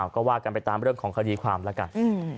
ก็ว่ากันไปตามเรื่องของคดีความแล้วกัน